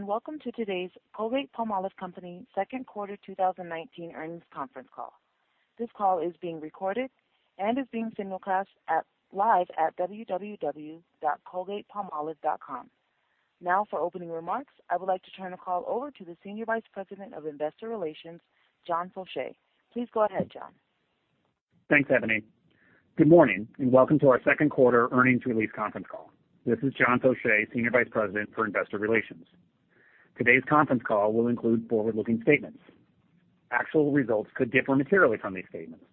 Welcome to today's Colgate-Palmolive company second quarter 2019 earnings conference call. This call is being recorded and is being simulcast live at www.colgatepalmolive.com. Now for opening remarks, I would like to turn the call over to the Senior Vice President of Investor Relations, John Faucher. Please go ahead, John. Thanks, Ebony. Good morning, and welcome to our second quarter earnings release conference call. This is John Faucher, Senior Vice President for Investor Relations. Today's conference call will include forward-looking statements. Actual results could differ materially from these statements.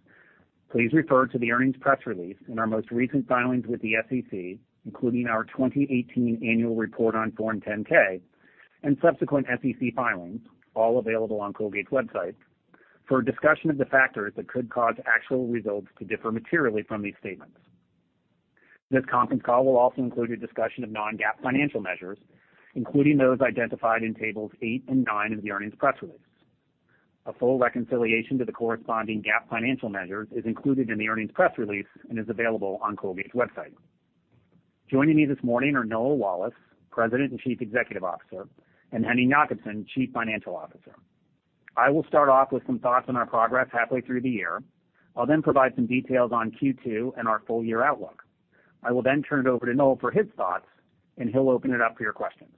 Please refer to the earnings press release in our most recent filings with the SEC, including our 2018 annual report on Form 10-K and subsequent SEC filings, all available on Colgate's website, for a discussion of the factors that could cause actual results to differ materially from these statements. This conference call will also include a discussion of non-GAAP financial measures, including those identified in tables eight and nine of the earnings press release. A full reconciliation to the corresponding GAAP financial measures is included in the earnings press release and is available on Colgate's website. Joining me this morning are Noel Wallace, President and Chief Executive Officer, and Henning Jakobsen, Chief Financial Officer. I will start off with some thoughts on our progress halfway through the year. I'll then provide some details on Q2 and our full year outlook. I will then turn it over to Noel for his thoughts, and he'll open it up for your questions.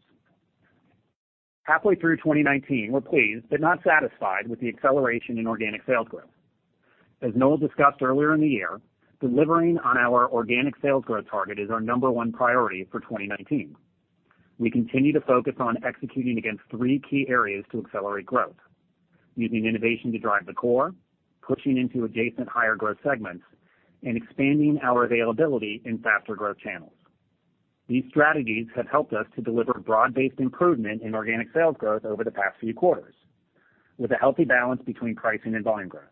Halfway through 2019, we're pleased but not satisfied with the acceleration in organic sales growth. As Noel discussed earlier in the year, delivering on our organic sales growth target is our number one priority for 2019. We continue to focus on executing against three key areas to accelerate growth, using innovation to drive the core, pushing into adjacent higher growth segments, and expanding our availability in faster growth channels. These strategies have helped us to deliver broad-based improvement in organic sales growth over the past few quarters with a healthy balance between pricing and volume growth.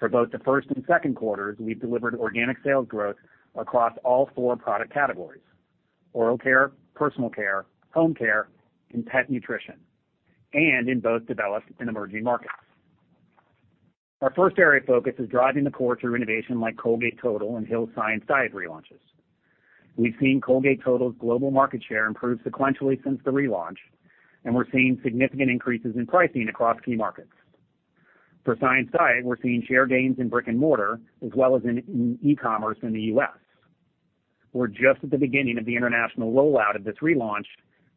For both the first and second quarters, we've delivered organic sales growth across all four product categories: oral care, personal care, home care, and pet nutrition, and in both developed and emerging markets. Our first area of focus is driving the core through innovation like Colgate Total and Hill's Science Diet relaunches. We've seen Colgate Total's global market share improve sequentially since the relaunch, and we're seeing significant increases in pricing across key markets. For Science Diet, we're seeing share gains in brick and mortar as well as in e-commerce in the U.S. We're just at the beginning of the international rollout of this relaunch,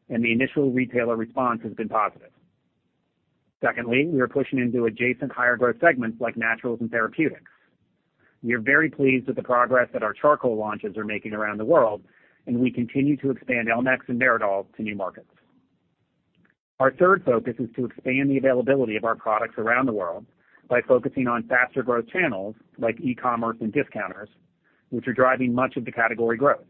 and the initial retailer response has been positive. We are pushing into adjacent higher growth segments like naturals and therapeutics. We are very pleased with the progress that our charcoal launches are making around the world, we continue to expand elmex and meridol to new markets. Our third focus is to expand the availability of our products around the world by focusing on faster growth channels like e-commerce and discounters, which are driving much of the category growth.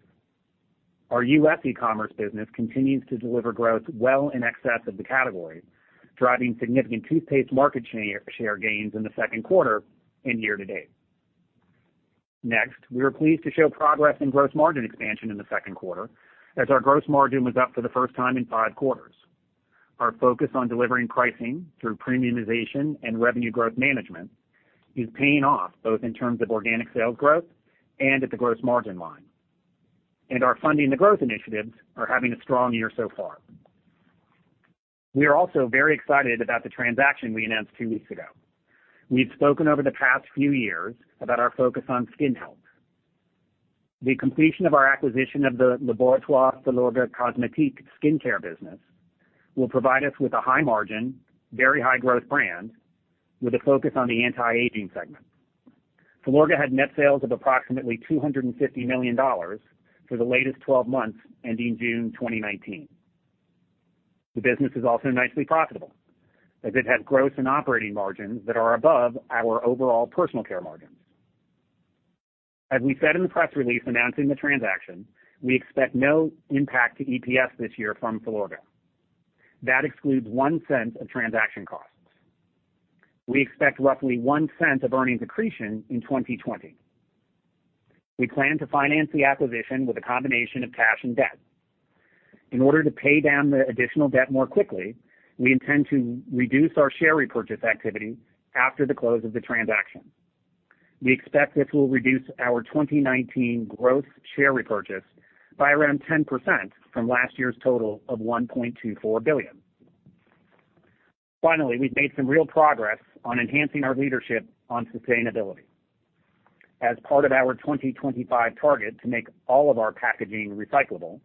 Our U.S. e-commerce business continues to deliver growth well in excess of the category, driving significant toothpaste market share gains in the second quarter and year to date. We are pleased to show progress in gross margin expansion in the second quarter as our gross margin was up for the first time in five quarters. Our focus on delivering pricing through premiumization and revenue growth management is paying off both in terms of organic sales growth and at the gross margin line. Our funding the growth initiatives are having a strong year so far. We are also very excited about the transaction we announced two weeks ago. We've spoken over the past few years about our focus on skin health. The completion of our acquisition of the Laboratoires Filorga Cosmétiques skincare business will provide us with a high margin, very high growth brand with a focus on the anti-aging segment. Filorga had net sales of approximately $250 million for the latest 12 months ending June 2019. The business is also nicely profitable, as it has gross and operating margins that are above our overall personal care margins. As we said in the press release announcing the transaction, we expect no impact to EPS this year from Filorga. That excludes $0.01 of transaction costs. We expect roughly $0.01 of earnings accretion in 2020. We plan to finance the acquisition with a combination of cash and debt. In order to pay down the additional debt more quickly, we intend to reduce our share repurchase activity after the close of the transaction. We expect this will reduce our 2019 growth share repurchase by around 10% from last year's total of $1.24 billion. We've made some real progress on enhancing our leadership on sustainability. As part of our 2025 target to make all of our packaging recyclable,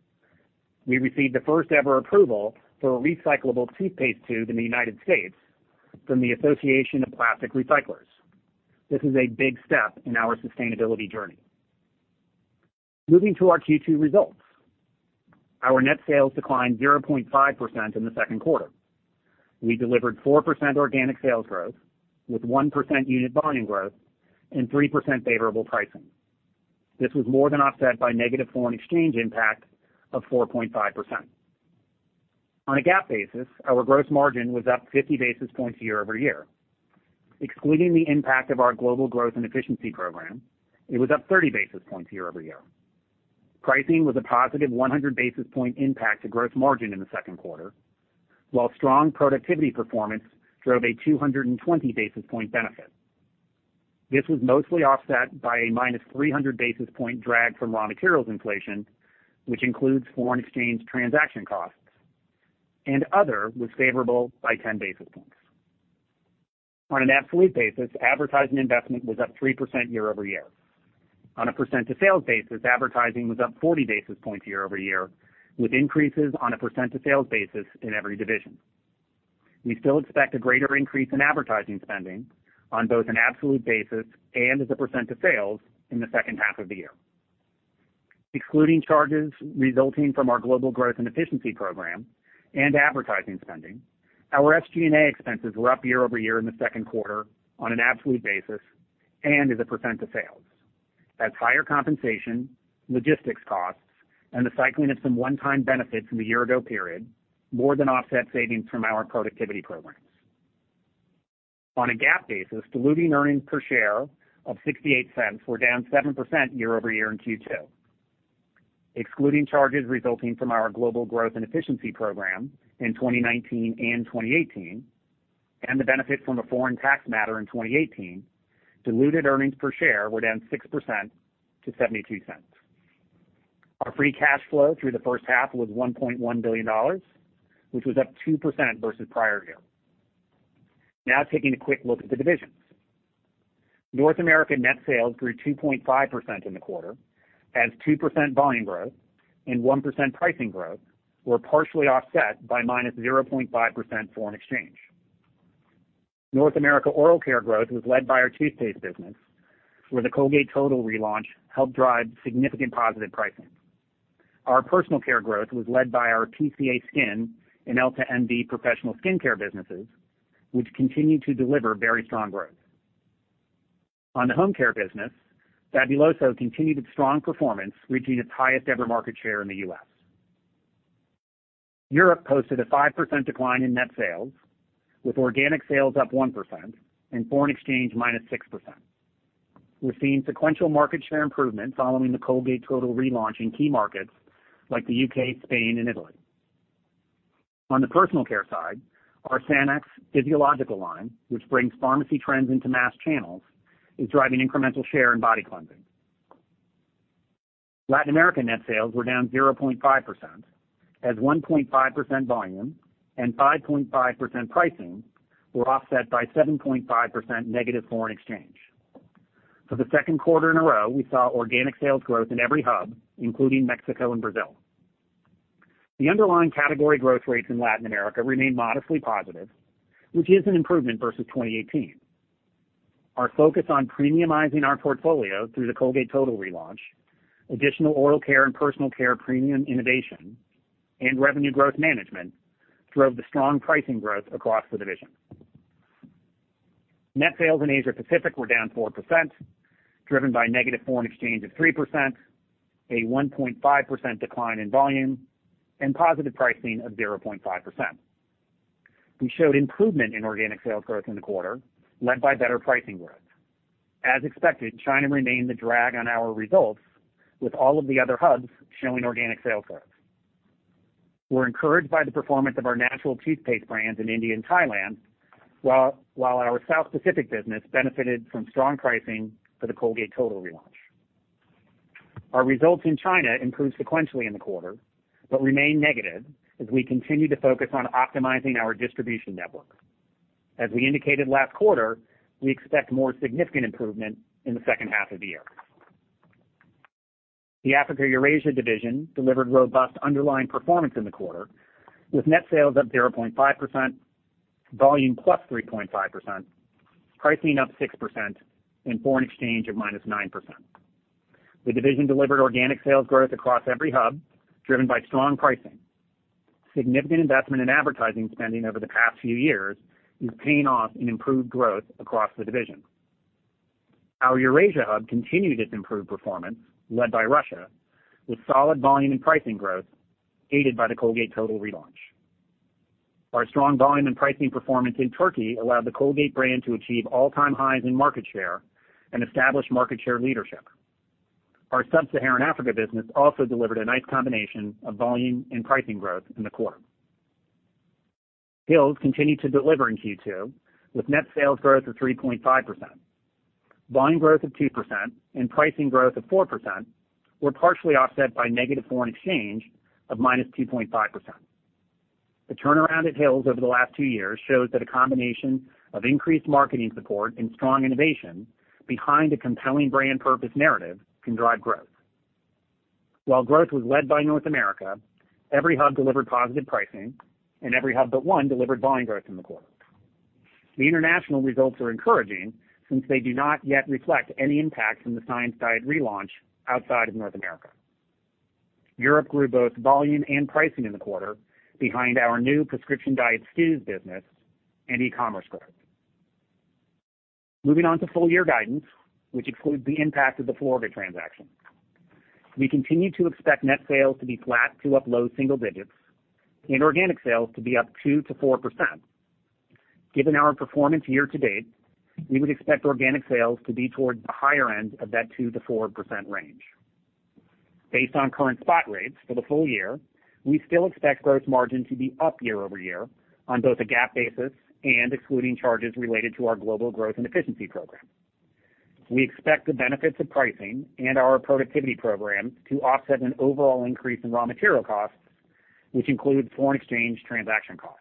we received the first ever approval for a recyclable toothpaste tube in the U.S. from the Association of Plastic Recyclers. This is a big step in our sustainability journey. Moving to our Q2 results. Our net sales declined 0.5% in the second quarter. We delivered 4% organic sales growth with 1% unit volume growth and 3% favorable pricing. This was more than offset by negative foreign exchange impact of 4.5%. On a GAAP basis, our gross margin was up 50 basis points year-over-year. Excluding the impact of our Global Growth and Efficiency Program, it was up 30 basis points year-over-year. Pricing was a positive 100 basis point impact to gross margin in the second quarter, while strong productivity performance drove a 220 basis point benefit. This was mostly offset by a -300 basis point drag from raw materials inflation, which includes foreign exchange transaction costs, and other was favorable by 10 basis points. On an absolute basis, advertising investment was up 3% year-over-year. On a percent to sales basis, advertising was up 40 basis points year-over-year, with increases on a percent to sales basis in every division. We still expect a greater increase in advertising spending on both an absolute basis and as a percent of sales in the second half of the year. Excluding charges resulting from our Global Growth and Efficiency Program and advertising spending, our SG&A expenses were up year-over-year in the second quarter on an absolute basis, and as a percent to sales. As higher compensation, logistics costs, and the cycling of some one-time benefits from the year-ago period, more than offset savings from our productivity programs. On a GAAP basis, diluted earnings per share of $0.68 were down 7% year-over-year in Q2. Excluding charges resulting from our Global Growth and Efficiency Program in 2019 and 2018, and the benefit from a foreign tax matter in 2018, diluted EPS were down 6% to $0.72. Our free cash flow through the first half was $1.1 billion, which was up 2% versus prior year. Taking a quick look at the divisions. North America net sales grew 2.5% in the quarter as 2% volume growth and 1% pricing growth were partially offset by minus 0.5% foreign exchange. North America Oral Care growth was led by our toothpaste business, where the Colgate Total relaunch helped drive significant positive pricing. Our Personal Care growth was led by our PCA SKIN and EltaMD professional skincare businesses, which continue to deliver very strong growth. On the Home Care business, Fabuloso continued its strong performance, reaching its highest-ever market share in the U.S. Europe posted a 5% decline in net sales, with organic sales up 1% and foreign exchange minus 6%. We're seeing sequential market share improvement following the Colgate Total relaunch in key markets like the U.K., Spain and Italy. On the personal care side, our Sanex physiological line, which brings pharmacy trends into mass channels, is driving incremental share and body cleansing. Latin America net sales were down 0.5%, as 1.5% volume and 5.5% pricing were offset by 7.5% negative foreign exchange. For the second quarter in a row, we saw organic sales growth in every hub, including Mexico and Brazil. The underlying category growth rates in Latin America remain modestly positive, which is an improvement versus 2018. Our focus on premiumizing our portfolio through the Colgate Total relaunch, additional oral care and personal care premium innovation, and revenue growth management drove the strong pricing growth across the division. Net sales in Asia Pacific were down 4%, driven by negative foreign exchange of 3%, a 1.5% decline in volume, and positive pricing of 0.5%. We showed improvement in organic sales growth in the quarter, led by better pricing growth. As expected, China remained the drag on our results with all of the other hubs showing organic sales growth. We are encouraged by the performance of our natural toothpaste brands in India and Thailand, while our South Pacific business benefited from strong pricing for the Colgate Total relaunch. Our results in China improved sequentially in the quarter, but remain negative as we continue to focus on optimizing our distribution network. As we indicated last quarter, we expect more significant improvement in the second half of the year. The Africa Eurasia division delivered robust underlying performance in the quarter, with net sales up 0.5%, volume +3.5%, pricing up 6%, and foreign exchange of -9%. The division delivered organic sales growth across every hub, driven by strong pricing. Significant investment in advertising spending over the past few years is paying off in improved growth across the division. Our Eurasia hub continued its improved performance, led by Russia, with solid volume and pricing growth aided by the Colgate Total relaunch. Our strong volume and pricing performance in Turkey allowed the Colgate brand to achieve all-time highs in market share and establish market share leadership. Our sub-Saharan Africa business also delivered a nice combination of volume and pricing growth in the quarter. Hill's continued to deliver in Q2 with net sales growth of 3.5%. Volume growth of 2% and pricing growth of 4% were partially offset by negative foreign exchange of -2.5%. The turnaround at Hill's over the last two years shows that a combination of increased marketing support and strong innovation behind a compelling brand purpose narrative can drive growth. While growth was led by North America, every hub delivered positive pricing, and every hub but one delivered volume growth in the quarter. The international results are encouraging since they do not yet reflect any impact from the Science Diet relaunch outside of North America. Europe grew both volume and pricing in the quarter behind our new Prescription Diet SKUs business and e-commerce growth. Moving on to full year guidance, which excludes the impact of the Filorga transaction. We continue to expect net sales to be flat to up low single digits and organic sales to be up 2%-4%. Given our performance year to date, we would expect organic sales to be towards the higher end of that 2%-4% range. Based on current spot rates for the full year, we still expect gross margin to be up year-over-year on both a GAAP basis and excluding charges related to our Global Growth and Efficiency Program. We expect the benefits of pricing and our productivity program to offset an overall increase in raw material costs, which include foreign exchange transaction costs.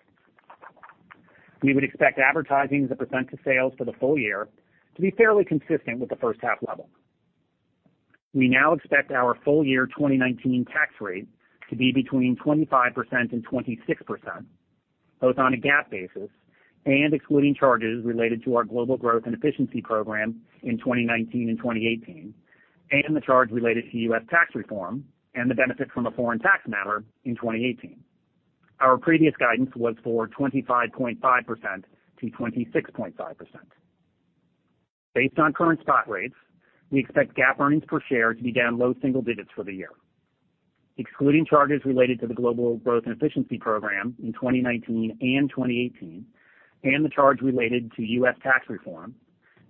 We would expect advertising as a percent of sales for the full year to be fairly consistent with the first half level. We now expect our full-year 2019 tax rate to be between 25% and 26%, both on a GAAP basis and excluding charges related to our Global Growth and Efficiency Program in 2019 and 2018, and the charge related to U.S. tax reform and the benefit from a foreign tax matter in 2018. Our previous guidance was for 25.5%-26.5%. Based on current spot rates, we expect GAAP earnings per share to be down low single digits for the year. Excluding charges related to the Global Growth and Efficiency Program in 2019 and 2018, and the charge related to U.S. tax reform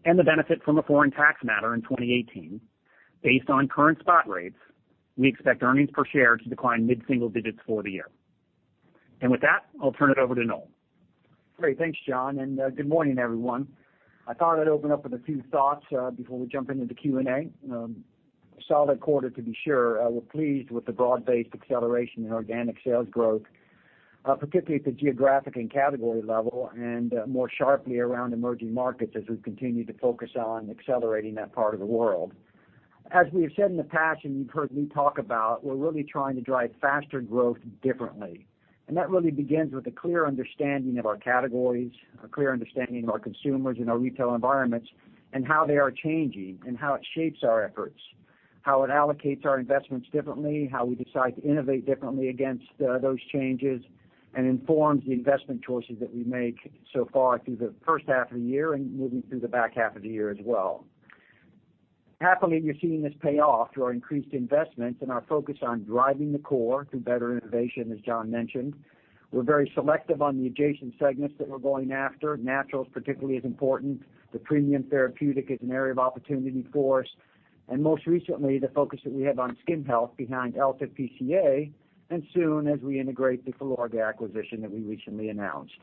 and the benefit from a foreign tax matter in 2018, based on current spot rates, we expect earnings per share to decline mid-single digits for the year. With that, I'll turn it over to Noel. Great. Thanks, John. Good morning, everyone. I thought I'd open up with a few thoughts before we jump into the Q&A. Solid quarter to be sure. We're pleased with the broad-based acceleration in organic sales growth, particularly at the geographic and category level and more sharply around emerging markets as we continue to focus on accelerating that part of the world. As we have said in the past and you've heard me talk about, we're really trying to drive faster growth differently, and that really begins with a clear understanding of our categories, a clear understanding of our consumers and our retail environments and how they are changing and how it shapes our efforts, how it allocates our investments differently, how we decide to innovate differently against those changes, and informs the investment choices that we make so far through the first half of the year and moving through the back half of the year as well. Happily, you're seeing this pay off through our increased investments and our focus on driving the core through better innovation, as John mentioned. We're very selective on the adjacent segments that we're going after. Natural particularly is important. The premium therapeutic is an area of opportunity for us, and most recently, the focus that we have on skin health behind EltaMD and PCA, and soon as we integrate the Filorga acquisition that we recently announced.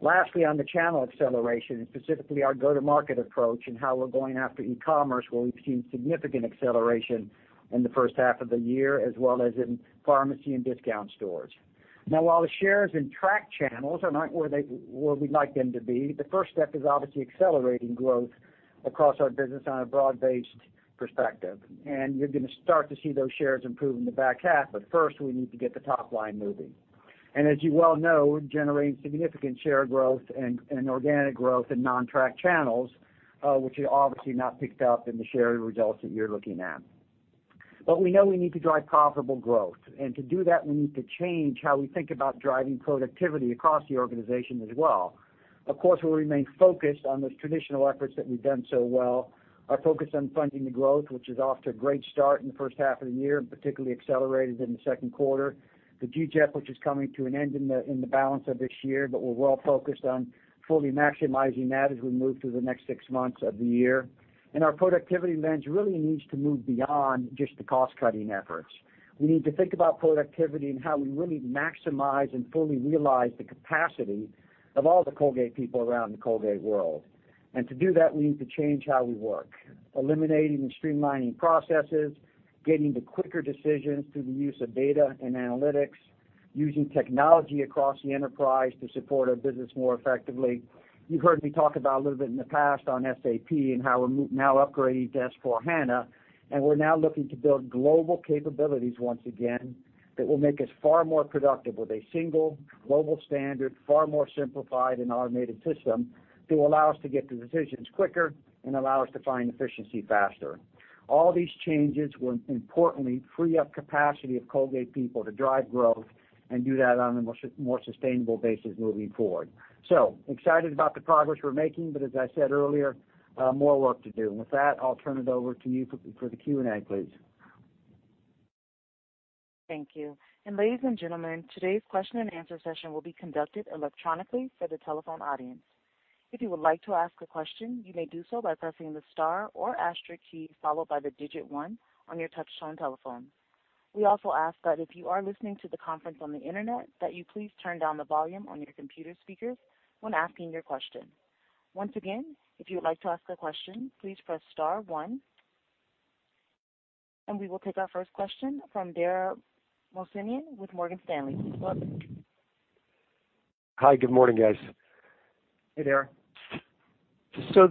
Lastly, on the channel acceleration and specifically our go-to-market approach and how we're going after e-commerce, where we've seen significant acceleration in the first half of the year as well as in pharmacy and discount stores. Now, while the shares in track channels are not where we'd like them to be, the first step is obviously accelerating growth across our business on a broad-based perspective. You're going to start to see those shares improve in the back half, but first we need to get the top line moving. As you well know, we're generating significant share growth and organic growth in non-track channels, which are obviously not picked up in the share results that you're looking at. We know we need to drive profitable growth, and to do that, we need to change how we think about driving productivity across the organization as well. Of course, we'll remain focused on those traditional efforts that we've done so well. Our focus on funding the growth, which is off to a great start in the first half of the year, and particularly accelerated in the second quarter. The GGEP, which is coming to an end in the balance of this year, but we're well focused on fully maximizing that as we move through the next six months of the year. Our productivity lens really needs to move beyond just the cost-cutting efforts. We need to think about productivity and how we really maximize and fully realize the capacity of all the Colgate people around the Colgate world. To do that, we need to change how we work, eliminating and streamlining processes, getting to quicker decisions through the use of data and analytics, using technology across the enterprise to support our business more effectively. You've heard me talk about a little bit in the past on SAP and how we're now upgrading to S/4HANA, and we're now looking to build global capabilities once again that will make us far more productive with a single global standard, far more simplified and automated system to allow us to get to decisions quicker and allow us to find efficiency faster. All these changes will importantly free up capacity of Colgate people to drive growth and do that on a more sustainable basis moving forward. Excited about the progress we're making, but as I said earlier, more work to do. With that, I'll turn it over to you for the Q&A, please. Thank you. Ladies and gentlemen, today's question and answer session will be conducted electronically for the telephone audience. If you would like to ask a question, you may do so by pressing the star or asterisk key followed by the digit one on your touchtone telephone. We also ask that if you are listening to the conference on the internet, that you please turn down the volume on your computer speakers when asking your question. Once again, if you would like to ask a question, please press star one. We will take our first question from Dara Mohsenian with Morgan Stanley. Hi. Good morning, guys. Hey, Dara.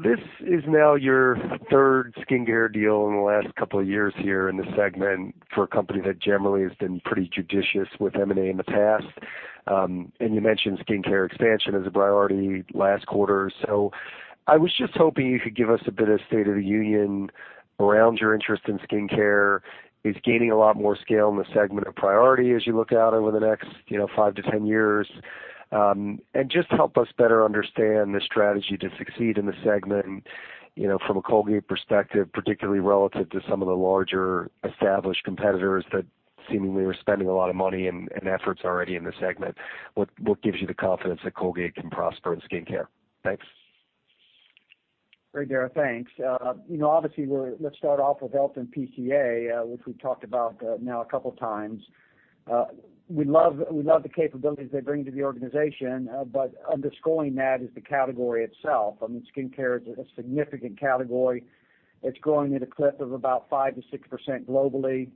This is now your third skincare deal in the last couple of years here in the segment for a company that generally has been pretty judicious with M&A in the past. You mentioned skincare expansion as a priority last quarter. I was just hoping you could give us a bit of state of the union around your interest in skincare. Is gaining a lot more scale in the segment a priority as you look out over the next 5-10 years? Just help us better understand the strategy to succeed in the segment from a Colgate perspective, particularly relative to some of the larger established competitors that seemingly are spending a lot of money and efforts already in the segment. What gives you the confidence that Colgate can prosper in skincare? Thanks. Dara, thanks. Let's start off with Elta and PCA, which we talked about now a couple of times. We love the capabilities they bring to the organization, but underscoring that is the category itself. I mean, skincare is a significant category. It's growing at a clip of about 5%-6% globally.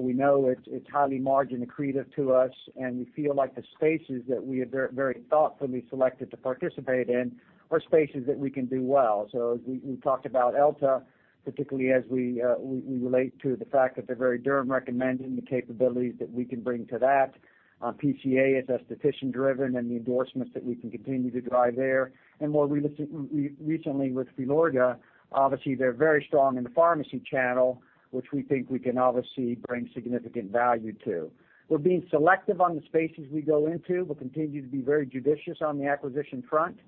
We know it's highly margin accretive to us, and we feel like the spaces that we have very thoughtfully selected to participate in are spaces that we can do well. We talked about Elta, particularly as we relate to the fact that they're very derm recommended and the capabilities that we can bring to that. PCA is esthetician driven and the endorsements that we can continue to drive there. More recently with Filorga, obviously, they're very strong in the pharmacy channel, which we think we can obviously bring significant value to. We're being selective on the spaces we go into. We'll continue to be very judicious on the acquisition front.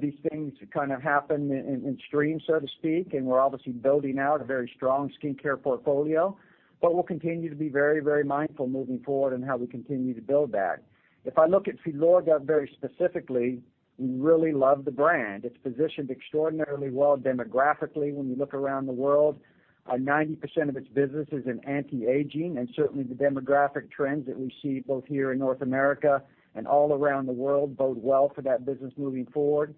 These things kind of happen in stream, so to speak, and we're obviously building out a very strong skincare portfolio. We'll continue to be very mindful moving forward in how we continue to build that. If I look at Filorga very specifically, we really love the brand. It's positioned extraordinarily well demographically when you look around the world. 90% of its business is in anti-aging, and certainly the demographic trends that we see both here in North America and all around the world bode well for that business moving forward.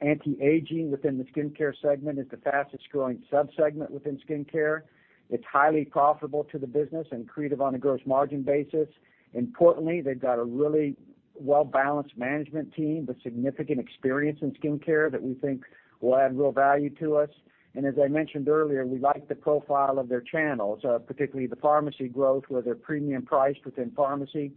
Anti-aging within the skincare segment is the fastest growing sub-segment within skincare. It's highly profitable to the business and accretive on a gross margin basis. Importantly, they've got a really well-balanced management team with significant experience in skincare that we think will add real value to us. As I mentioned earlier, we like the profile of their channels, particularly the pharmacy growth, where they're premium priced within pharmacy,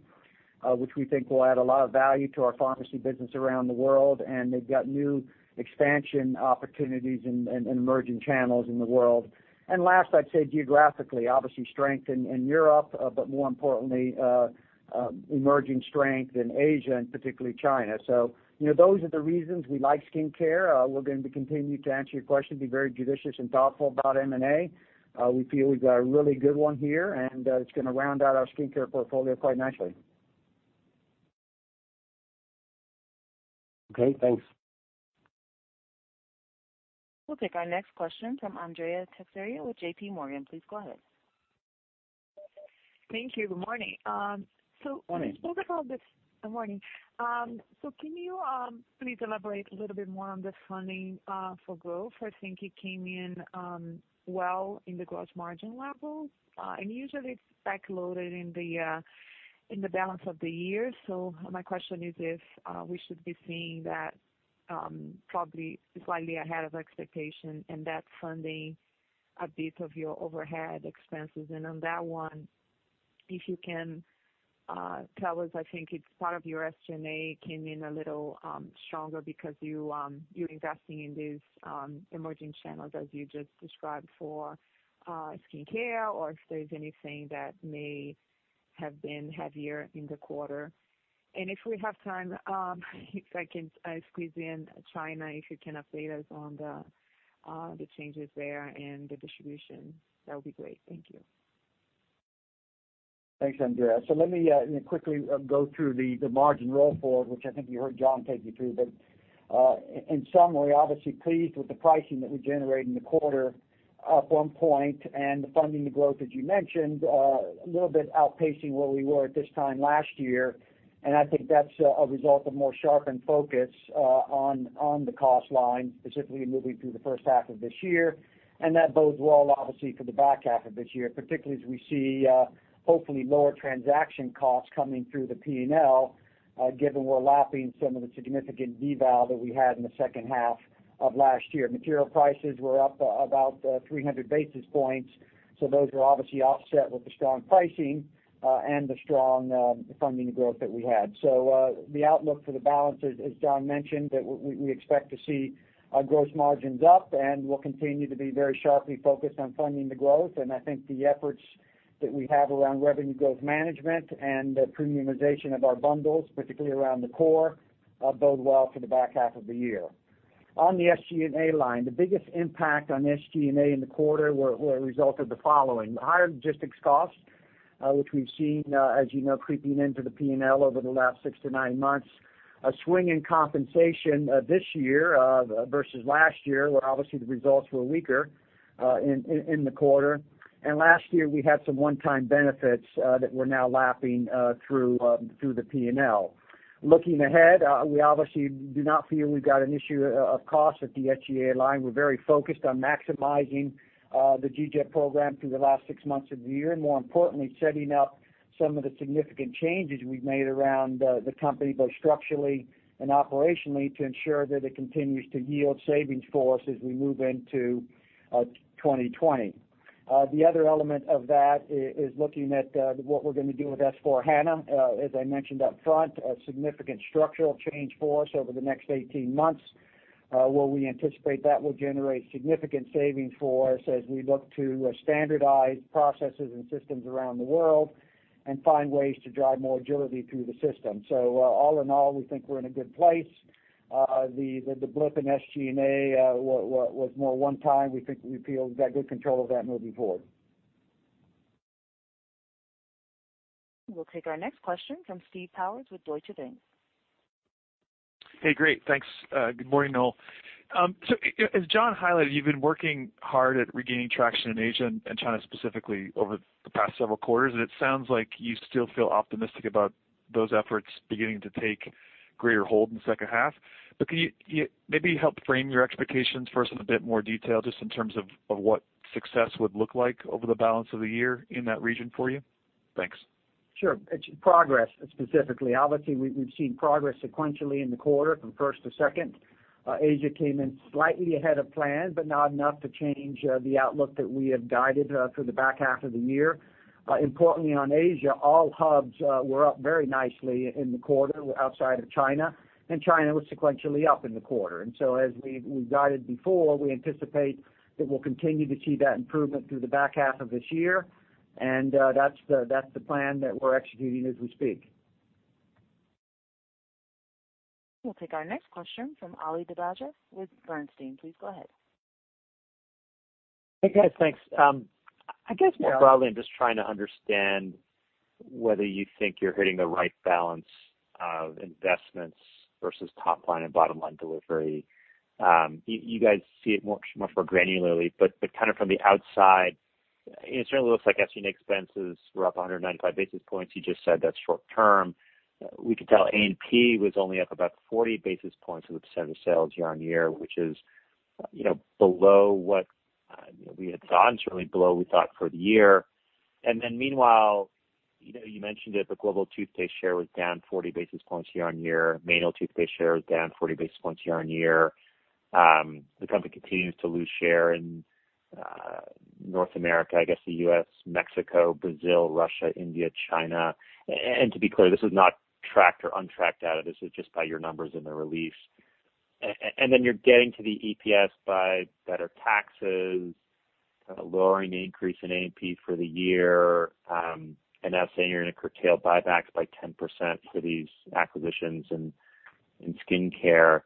which we think will add a lot of value to our pharmacy business around the world. They've got new expansion opportunities in emerging channels in the world. Last, I'd say geographically, obviously strength in Europe, but more importantly, emerging strength in Asia and particularly China. Those are the reasons we like skincare. We're going to continue, to answer your question, be very judicious and thoughtful about M&A. We feel we've got a really good one here, and it's going to round out our skincare portfolio quite nicely. Okay, thanks. We'll take our next question from Andrea Teixeira with JPMorgan. Please go ahead. Thank you. Good morning. Morning. Good morning. Can you please elaborate a little bit more on the funding for growth? I think it came in well in the gross margin levels, and usually it's back-loaded in the balance of the year. My question is if we should be seeing that probably slightly ahead of expectation and that funding a bit of your overhead expenses. On that one, if you can tell us, I think it's part of your SG&A came in a little stronger because you're investing in these emerging channels as you just described for skincare or if there's anything that may have been heavier in the quarter. If we have time, if I can squeeze in China, if you can update us on the changes there and the distribution, that would be great. Thank you. Thanks, Andrea. Let me quickly go through the margin roll forward, which I think you heard John take you through. In summary, obviously pleased with the pricing that we generate in the quarter up one point and the funding the growth, as you mentioned, a little bit outpacing where we were at this time last year. I think that's a result of more sharpened focus on the cost line, specifically moving through the first half of this year, and that bodes well, obviously, for the back half of this year, particularly as we see, hopefully lower transaction costs coming through the P&L, given we're lapping some of the significant deval that we had in the second half of last year. Material prices were up about 300 basis points, so those were obviously offset with the strong pricing, and the strong funding growth that we had. The outlook for the balance, as John mentioned, that we expect to see our gross margins up, and we'll continue to be very sharply focused on funding the growth. I think the efforts that we have around revenue growth management and the premiumization of our bundles, particularly around the core, bode well for the back half of the year. On the SG&A line, the biggest impact on SG&A in the quarter were a result of the following. The higher logistics costs, which we've seen, as you know, creeping into the P&L over the last six to nine months. A swing in compensation this year versus last year, where obviously the results were weaker in the quarter. Last year, we had some one-time benefits that we're now lapping through the P&L. Looking ahead, we obviously do not feel we've got an issue of cost at the SG&A line. We're very focused on maximizing the GGEP program through the last six months of the year. More importantly, setting up some of the significant changes we've made around the company, both structurally and operationally, to ensure that it continues to yield savings for us as we move into 2020. The other element of that is looking at what we're going to do with S/4HANA. As I mentioned up front, a significant structural change for us over the next 18 months, where we anticipate that will generate significant savings for us as we look to standardize processes and systems around the world and find ways to drive more agility through the system. All in all, we think we're in a good place. The blip in SG&A was more one time. We feel we've got good control of that moving forward. We'll take our next question from Steve Powers with Deutsche Bank. Hey, great. Thanks. Good morning, all. As John highlighted, you've been working hard at regaining traction in Asia and China specifically over the past several quarters, and it sounds like you still feel optimistic about those efforts beginning to take greater hold in the second half. Can you maybe help frame your expectations for us in a bit more detail just in terms of what success would look like over the balance of the year in that region for you? Thanks. Sure. Progress, specifically. Obviously, we've seen progress sequentially in the quarter from first to second. Asia came in slightly ahead of plan, but not enough to change the outlook that we have guided for the back half of the year. Importantly, on Asia, all hubs were up very nicely in the quarter outside of China, and China was sequentially up in the quarter. As we guided before, we anticipate that we'll continue to see that improvement through the back half of this year. That's the plan that we're executing as we speak. We'll take our next question from Ali Dibadj with Bernstein. Please go ahead. Hey, guys. Thanks. I guess more broadly, I am just trying to understand whether you think you are hitting the right balance of investments versus top-line and bottom-line delivery. You guys see it much more granularly, kind of from the outside, it certainly looks like SG&A expenses were up 195 basis points. You just said that is short-term. We could tell A&P was only up about 40 basis points as a percent of sales year-over-year, which is below what we had thought, certainly below what we thought for the year. Meanwhile, you mentioned that the global toothpaste share was down 40 basis points year-over-year. Manual toothpaste share was down 40 basis points year-over-year. The company continues to lose share in North America, I guess the U.S., Mexico, Brazil, Russia, India, China. To be clear, this is not tracked or untracked data. This is just by your numbers in the release. You're getting to the EPS by better taxes, lowering the increase in A&P for the year, and now saying you're going to curtail buybacks by 10% for these acquisitions in skincare.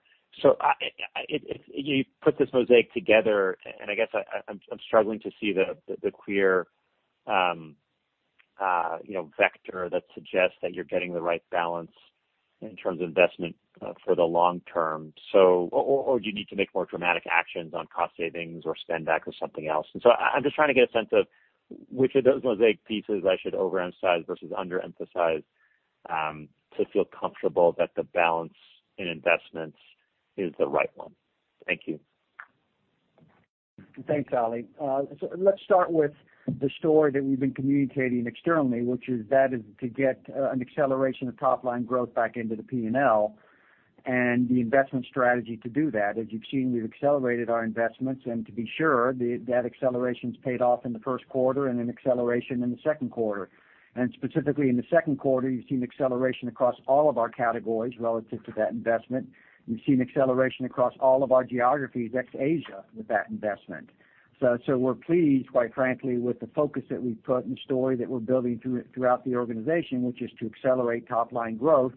You put this mosaic together, and I guess I'm struggling to see the clear vector that suggests that you're getting the right balance in terms of investment for the long term. Do you need to make more dramatic actions on cost savings or spend back or something else? I'm just trying to get a sense of which of those mosaic pieces I should overemphasize versus underemphasize to feel comfortable that the balance in investments is the right one. Thank you. Thanks, Ali. Let's start with the story that we've been communicating externally, which is to get an acceleration of top-line growth back into the P&L and the investment strategy to do that. As you've seen, we've accelerated our investments, to be sure, that acceleration's paid off in the first quarter and an acceleration in the second quarter. Specifically in the second quarter, you've seen acceleration across all of our categories relative to that investment. You've seen acceleration across all of our geographies, ex Asia, with that investment. We're pleased, quite frankly, with the focus that we've put and the story that we're building throughout the organization, which is to accelerate top-line growth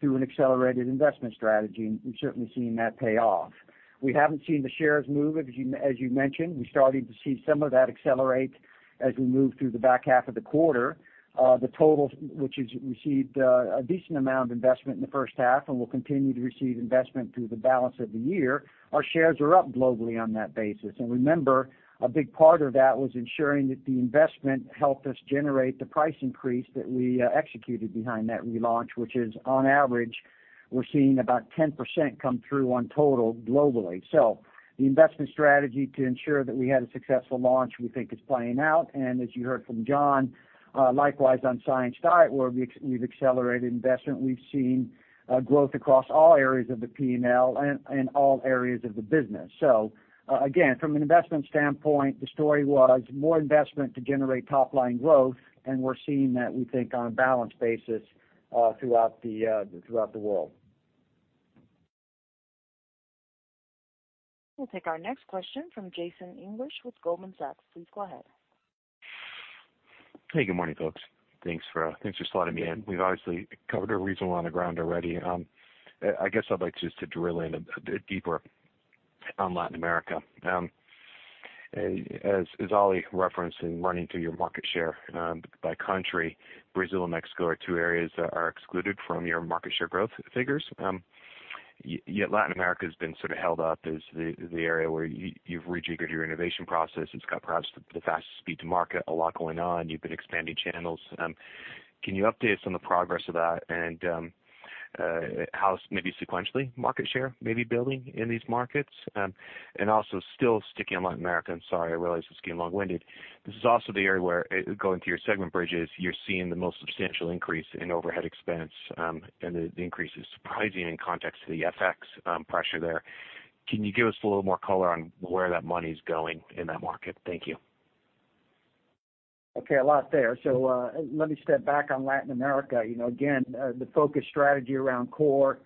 through an accelerated investment strategy, we've certainly seen that pay off. We haven't seen the shares move, as you mentioned. We started to see some of that accelerate as we moved through the back half of the quarter. Total, which has received a decent amount of investment in the first half and will continue to receive investment through the balance of the year, our shares are up globally on that basis. Remember, a big part of that was ensuring that the investment helped us generate the price increase that we executed behind that relaunch, which is on average, we're seeing about 10% come through on Total globally. The investment strategy to ensure that we had a successful launch we think is playing out, and as you heard from John, likewise on Science Diet, where we've accelerated investment, we've seen growth across all areas of the P&L and all areas of the business. Again, from an investment standpoint, the story was more investment to generate top-line growth, and we're seeing that, we think, on a balanced basis throughout the world. We'll take our next question from Jason English with Goldman Sachs. Please go ahead. Hey, good morning, folks. Thanks for slotting me in. We've obviously covered a reasonable amount of ground already. I guess I'd like just to drill in a bit deeper on Latin America. As Ali referenced in running through your market share by country, Brazil and Mexico are two areas that are excluded from your market share growth figures. Latin America has been sort of held up as the area where you've rejiggered your innovation process. It's got perhaps the fastest speed to market, a lot going on. You've been expanding channels. Can you update us on the progress of that and how sequentially market share may be building in these markets? Also still sticking on Latin America, I'm sorry, I realize this is getting long-winded. This is also the area where, going through your segment bridges, you're seeing the most substantial increase in overhead expense. The increase is surprising in context of the FX pressure there. Can you give us a little more color on where that money's going in that market? Thank you. Okay. A lot there. Let me step back on Latin America. Again, the focus strategy around core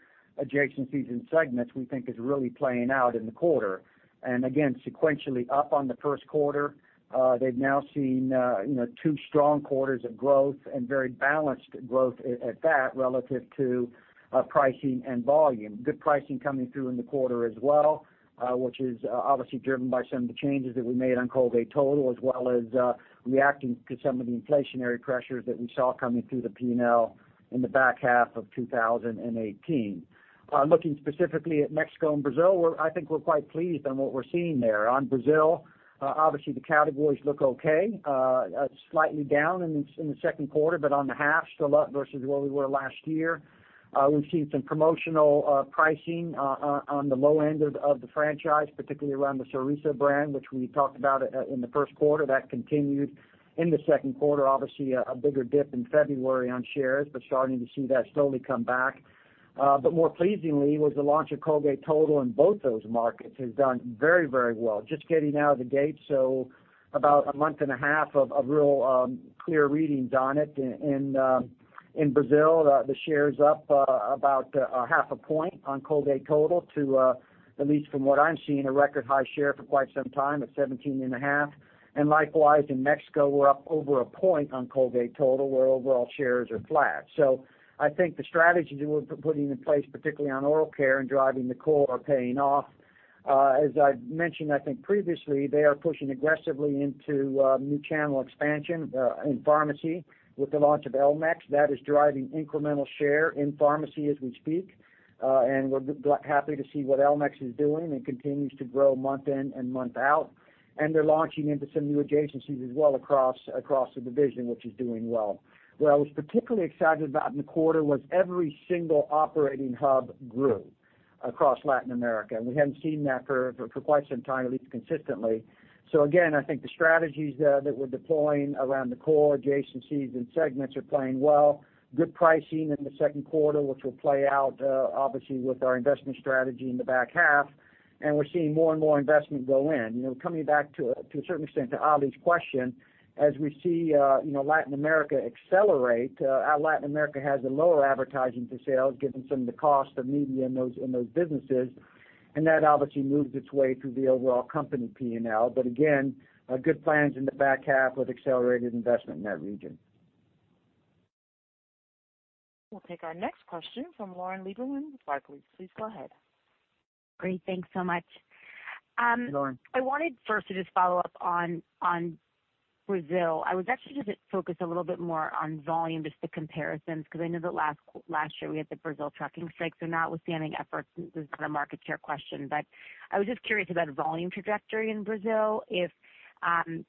adjacencies and segments, we think is really playing out in the quarter. Again, sequentially up on the first quarter. They've now seen two strong quarters of growth and very balanced growth at that, relative to pricing and volume. Good pricing coming through in the quarter as well, which is obviously driven by some of the changes that we made on Colgate Total, as well as reacting to some of the inflationary pressures that we saw coming through the P&L in the back half of 2018. Looking specifically at Mexico and Brazil, I think we're quite pleased on what we're seeing there. On Brazil, obviously the categories look okay. Slightly down in the second quarter, but on the half, still up versus where we were last year. We've seen some promotional pricing on the low end of the franchise, particularly around the Sorriso brand, which we talked about in the first quarter. That continued in the second quarter. Obviously, a bigger dip in February on shares, but starting to see that slowly come back. More pleasingly was the launch of Colgate Total in both those markets has done very well. Just getting out of the gate, so about a month and a half of real clear readings on it. In Brazil, the share is up about a half a point on Colgate Total to, at least from what I'm seeing, a record high share for quite some time at 17.5. Likewise, in Mexico, we're up over a point on Colgate Total, where overall shares are flat. I think the strategies that we're putting in place, particularly on oral care and driving the core, are paying off. As I mentioned, I think previously, they are pushing aggressively into new channel expansion in pharmacy with the launch of elmex. That is driving incremental share in pharmacy as we speak. We're happy to see what elmex is doing and continues to grow month in and month out. They're launching into some new adjacencies as well across the division, which is doing well. What I was particularly excited about in the quarter was every single operating hub grew across Latin America, and we hadn't seen that for quite some time, at least consistently. Again, I think the strategies that we're deploying around the core adjacencies and segments are playing well. Good pricing in the second quarter, which will play out obviously with our investment strategy in the back half. We're seeing more and more investment go in. Coming back to a certain extent to Ali's question, as we see Latin America accelerate, our Latin America has a lower advertising to sales given some of the cost of media in those businesses, and that obviously moves its way through the overall company P&L. Again, good plans in the back half with accelerated investment in that region. We'll take our next question from Lauren Lieberman with Barclays. Please go ahead. Great. Thanks so much. Lauren. I wanted first to just follow up on Brazil. I was actually just focused a little bit more on volume, just the comparisons, because I know that last year we had the Brazil trucking strike. Notwithstanding efforts, this is not a market share question. I was just curious about volume trajectory in Brazil, if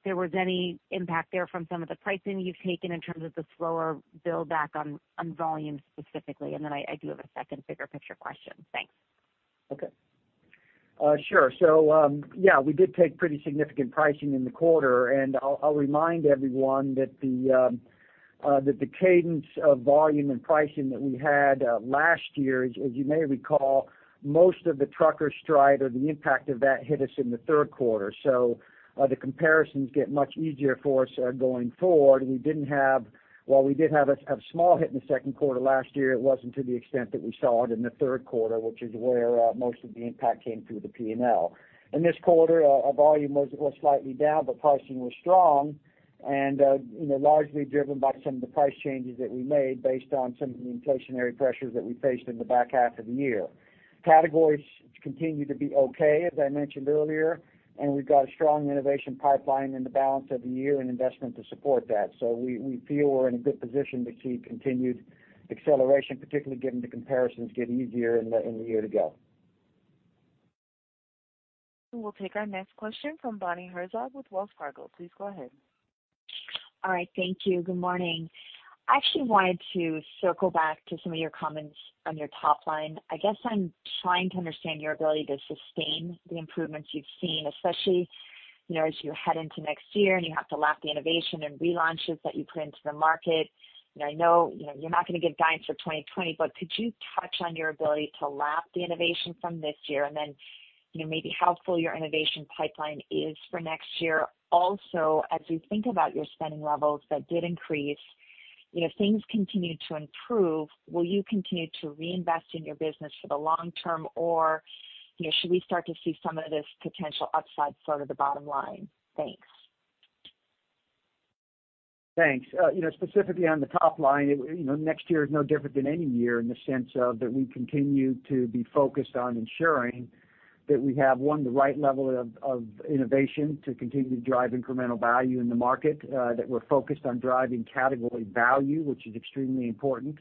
there was any impact there from some of the pricing you've taken in terms of the slower build-back on volume specifically. I do have a second bigger picture question. Thanks. Okay. Sure. Yeah, we did take pretty significant pricing in the quarter, and I'll remind everyone that the cadence of volume and pricing that we had last year, as you may recall, most of the trucker strike or the impact of that hit us in the third quarter. The comparisons get much easier for us going forward. While we did have a small hit in the second quarter last year, it wasn't to the extent that we saw it in the third quarter, which is where most of the impact came through the P&L. In this quarter, our volume was slightly down, but pricing was strong and largely driven by some of the price changes that we made based on some of the inflationary pressures that we faced in the back half of the year. Categories continue to be okay, as I mentioned earlier, and we've got a strong innovation pipeline in the balance of the year and investment to support that. We feel we're in a good position to see continued acceleration, particularly given the comparisons get easier in the year to go. We'll take our next question from Bonnie Herzog with Wells Fargo. Please go ahead. All right. Thank you. Good morning. I actually wanted to circle back to some of your comments on your top line. I guess I'm trying to understand your ability to sustain the improvements you've seen, especially as you head into next year and you have to lap the innovation and relaunches that you put into the market. I know you're not going to give guidance for 2020, but could you touch on your ability to lap the innovation from this year and then maybe how full your innovation pipeline is for next year? As we think about your spending levels that did increase, if things continue to improve, will you continue to reinvest in your business for the long term, or should we start to see some of this potential upside flow to the bottom line? Thanks. Thanks. Specifically on the top line, next year is no different than any year in the sense of that we continue to be focused on ensuring that we have, one, the right level of innovation to continue to drive incremental value in the market, that we're focused on driving category value, which is extremely important.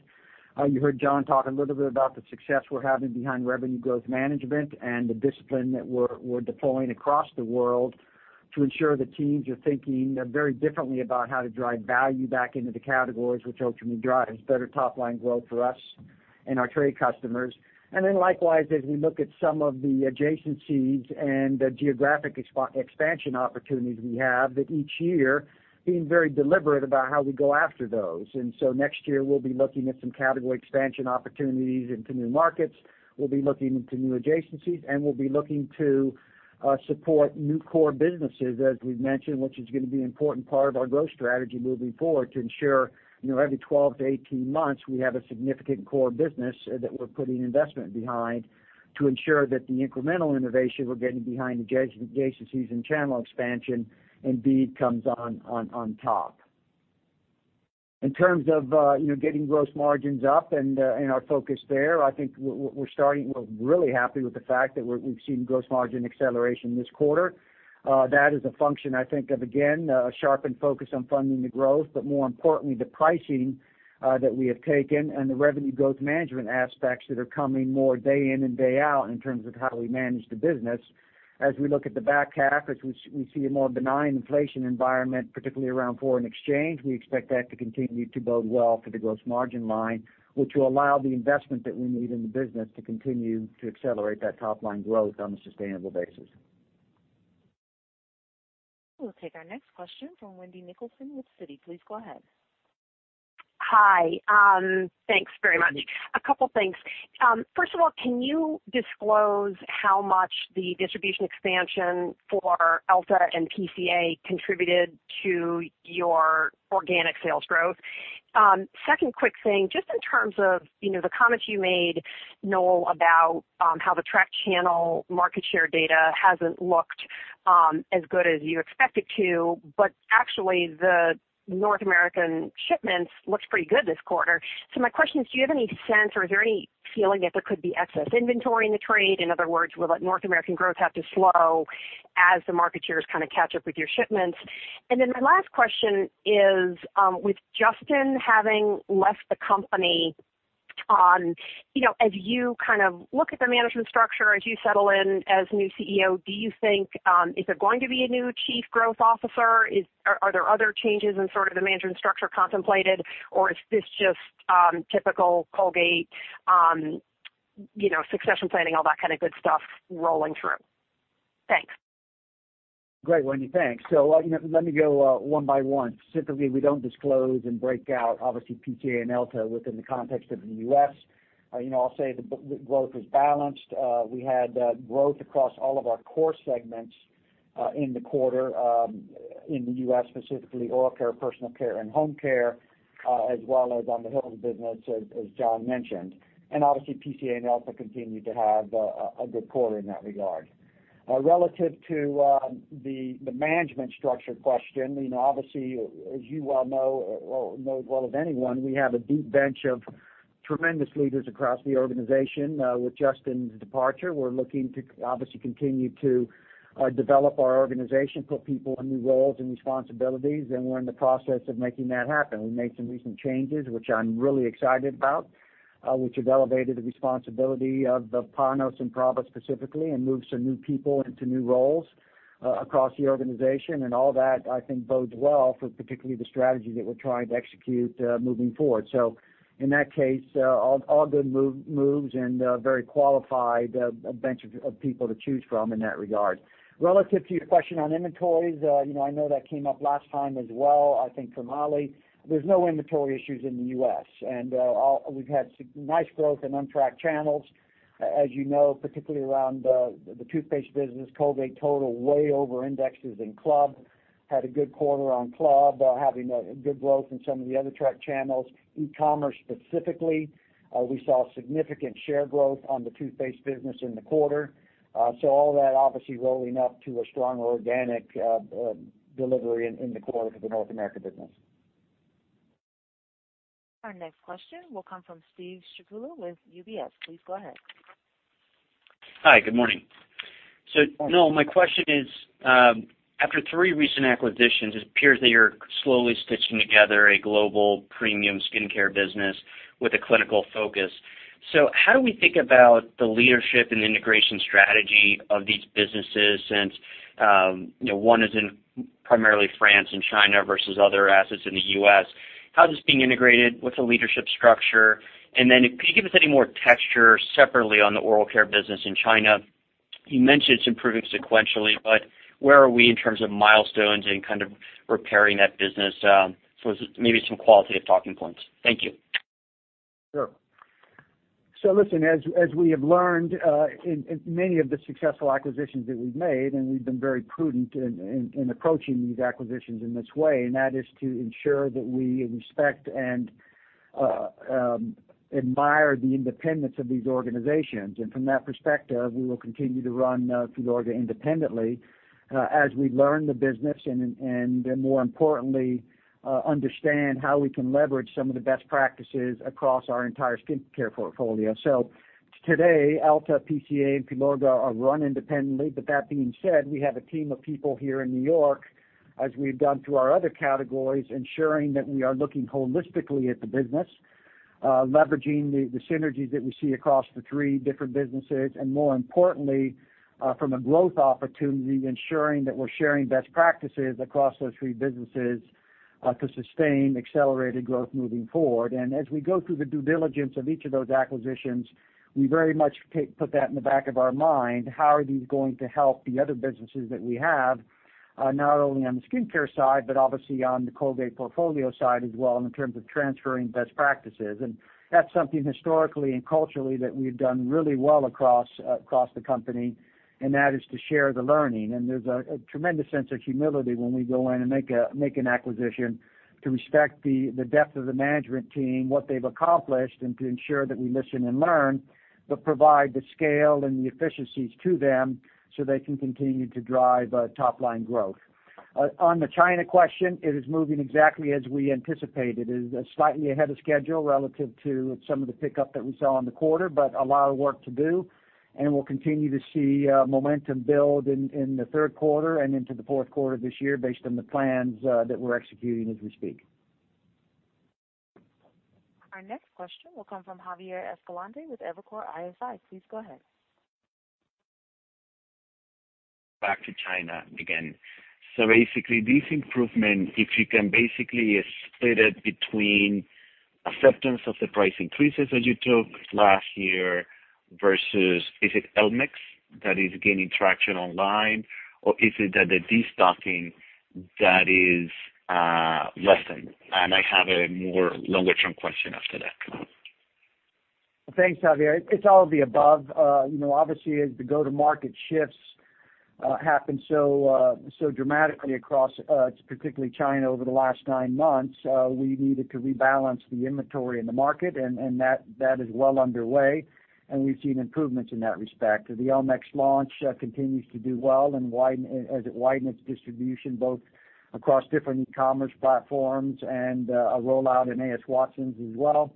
You heard John talk a little bit about the success we're having behind revenue growth management and the discipline that we're deploying across the world to ensure the teams are thinking very differently about how to drive value back into the categories, which ultimately drives better top-line growth for us, and our trade customers. Likewise, as we look at some of the adjacencies and the geographic expansion opportunities we have that each year being very deliberate about how we go after those. Next year we'll be looking at some category expansion opportunities into new markets. We'll be looking into new adjacencies, and we'll be looking to support new core businesses, as we've mentioned, which is going to be an important part of our growth strategy moving forward to ensure every 12 to 18 months, we have a significant core business that we're putting investment behind to ensure that the incremental innovation we're getting behind the adjacencies and channel expansion indeed comes on top. In terms of getting gross margins up and our focus there, I think we're really happy with the fact that we've seen gross margin acceleration this quarter. That is a function, I think, of, again, a sharpened focus on funding the growth, but more importantly, the pricing that we have taken and the revenue growth management aspects that are coming more day in and day out in terms of how we manage the business. As we look at the back half, as we see a more benign inflation environment, particularly around foreign exchange, we expect that to continue to bode well for the gross margin line, which will allow the investment that we need in the business to continue to accelerate that top-line growth on a sustainable basis. We'll take our next question from Wendy Nicholson with Citi. Please go ahead. Hi. Thanks very much. A couple things. First of all, can you disclose how much the distribution expansion for Elta and PCA contributed to your organic sales growth? Second quick thing, just in terms of the comments you made, Noel, about how the track channel market share data hasn't looked as good as you expect it to, but actually the North American shipments looks pretty good this quarter. My question is, do you have any sense, or is there any feeling that there could be excess inventory in the trade? In other words, will that North American growth have to slow as the market shares kind of catch up with your shipments? My last question is, with Justin having left the company, as you look at the management structure, as you settle in as new CEO, is there going to be a new chief growth officer? Are there other changes in sort of the management structure contemplated, or is this just typical Colgate succession planning, all that kind of good stuff rolling through? Thanks. Great, Wendy, thanks. Let me go one by one. Specifically, we don't disclose and break out, obviously, PCA and Elta within the context of the U.S. I'll say the growth was balanced. We had growth across all of our core segments in the quarter, in the U.S., specifically oral care, personal care, and home care, as well as on the Hill's business, as John mentioned. Obviously, PCA and Elta continued to have a good quarter in that regard. Relative to the management structure question, obviously, as you well know well of anyone, we have a deep bench of tremendous leaders across the organization. With Justin's departure, we're looking to obviously continue to develop our organization, put people in new roles and responsibilities, and we're in the process of making that happen. We made some recent changes, which I'm really excited about, which have elevated the responsibility of Panos and Prabha specifically and moved some new people into new roles across the organization. All that, I think, bodes well for particularly the strategy that we're trying to execute moving forward. In that case, all good moves and a very qualified bench of people to choose from in that regard. Relative to your question on inventories, I know that came up last time as well, I think from Ali. There's no inventory issues in the U.S. We've had nice growth in on-track channels, as you know, particularly around the toothpaste business. Colgate Total way over indexes in club, had a good quarter on club, having good growth in some of the other track channels. E-commerce specifically, we saw significant share growth on the toothpaste business in the quarter. All that obviously rolling up to a strong organic delivery in the quarter for the North America business. Our next question will come from Steve Strycula with UBS. Please go ahead. Hi, good morning. Noel, my question is, after three recent acquisitions, it appears that you're slowly stitching together a global premium skincare business with a clinical focus. How do we think about the leadership and integration strategy of these businesses since one is in primarily France and China versus other assets in the U.S.? How is this being integrated? What's the leadership structure? Could you give us any more texture separately on the oral care business in China? You mentioned it's improving sequentially, but where are we in terms of milestones and kind of repairing that business? Maybe some qualitative talking points. Thank you. Sure. Listen, as we have learned in many of the successful acquisitions that we've made, and we've been very prudent in approaching these acquisitions in this way, and that is to ensure that we respect and admire the independence of these organizations. From that perspective, we will continue to run Filorga independently as we learn the business and more importantly, understand how we can leverage some of the best practices across our entire skincare portfolio. Today, Elta, PCA, and Filorga are run independently. That being said, we have a team of people here in New York, as we've done through our other categories, ensuring that we are looking holistically at the business, leveraging the synergies that we see across the three different businesses, and more importantly, from a growth opportunity, ensuring that we're sharing best practices across those three businesses to sustain accelerated growth moving forward. As we go through the due diligence of each of those acquisitions, we very much put that in the back of our mind, how are these going to help the other businesses that we have, not only on the skincare side, but obviously on the Colgate portfolio side as well, in terms of transferring best practices. That's something historically and culturally that we've done really well across the company, and that is to share the learning. There's a tremendous sense of humility when we go in and make an acquisition to respect the depth of the management team, what they've accomplished, and to ensure that we listen and learn, but provide the scale and the efficiencies to them so they can continue to drive top-line growth. On the China question, it is moving exactly as we anticipated. It is slightly ahead of schedule relative to some of the pickup that we saw in the quarter, but a lot of work to do, and we'll continue to see momentum build in the third quarter and into the fourth quarter this year based on the plans that we're executing as we speak. Our next question will come from Javier Escalante with Evercore ISI. Please go ahead. Back to China again. Basically, this improvement, if you can basically split it between acceptance of the price increases that you took last year versus, is it elmex that is gaining traction online, or is it that the destocking that is lessened? I have a more longer-term question after that. Thanks, Javier. It's all of the above. Obviously, as the go-to-market shifts happened so dramatically across, particularly China, over the last nine months, we needed to rebalance the inventory in the market, and that is well underway. We've seen improvements in that respect. The elmex launch continues to do well as it widened its distribution, both across different e-commerce platforms and a rollout in A.S. Watson's as well.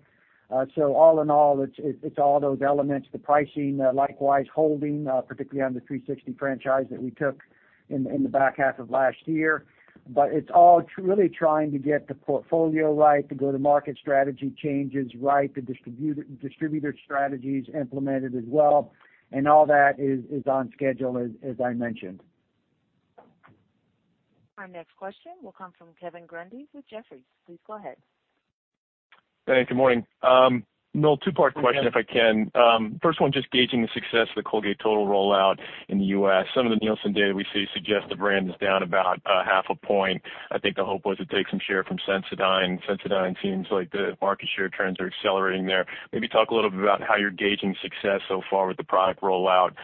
All in all, it's all those elements. The pricing, likewise, holding, particularly on the 360 franchise that we took in the back half of last year. It's all really trying to get the portfolio right, the go-to-market strategy changes right, the distributor strategies implemented as well, and all that is on schedule, as I mentioned. Our next question will come from Kevin Grundy with Jefferies. Please go ahead. Hey, good morning. Noel, two-part question. Hey, Kevin. if I can. First one, just gauging the success of the Colgate Total rollout in the U.S. Some of the Nielsen data we see suggest the brand is down about half a point. I think the hope was to take some share from Sensodyne. Sensodyne seems like the market share trends are accelerating there. Maybe talk a little bit about how you're gauging success so far with the product rollout to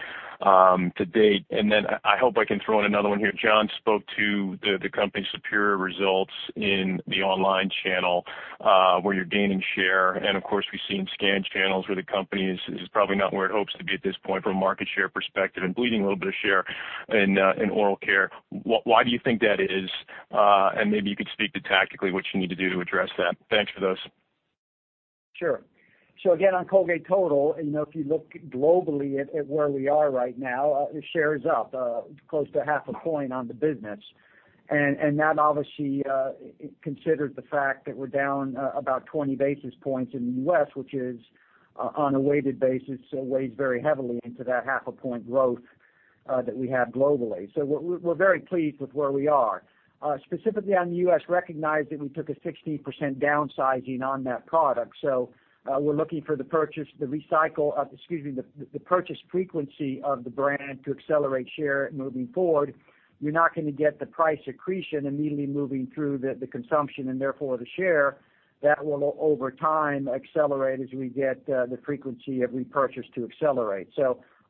date. Then I hope I can throw in another one here. John spoke to the company's superior results in the online channel, where you're gaining share. Of course, we've seen scanned channels where the company is probably not where it hopes to be at this point from a market share perspective and bleeding a little bit of share in oral care. Why do you think that is? Maybe you could speak to tactically what you need to do to address that. Thanks for those. Sure. Again, on Colgate Total, if you look globally at where we are right now, the share is up close to 0.5 point on the business. That obviously considers the fact that we're down about 20 basis points in the U.S., which is on a weighted basis, weighs very heavily into that 0.5 point growth that we have globally. Specifically on the U.S., recognize that we took a 16% downsizing on that product. We're looking for the purchase frequency of the brand to accelerate share moving forward. You're not going to get the price accretion immediately moving through the consumption and therefore the share. That will, over time, accelerate as we get the frequency of repurchase to accelerate.